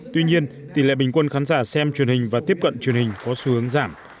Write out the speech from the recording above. tuy nhiên tỷ lệ bình quân khán giả xem truyền hình và tiếp cận truyền hình có xu hướng giảm